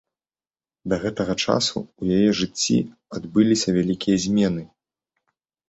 Да гэтага часу ў яе жыцці адбыліся вялікія змены.